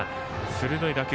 鋭い打球。